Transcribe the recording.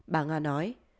bà nga nói